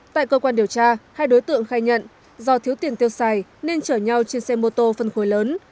tại cơ quan điều tra hai đối tượng khai nhận do thiếu tiền tiêu xài nên chở nhau trên xe mô tô phân khối lớn